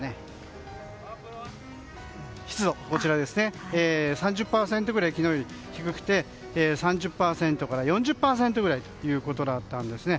湿度は３０％ぐらい昨日より低くて３０％から４０％ぐらいということだったんですね。